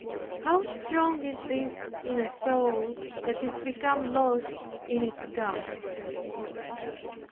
How strong is this in a soul that is become lost in its God!